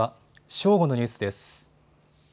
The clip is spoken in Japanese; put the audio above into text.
正午のニュースです。